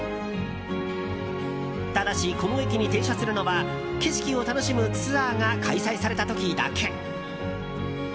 ただし、この駅に停車するのは景色を楽しむツアーが開催された時だけ。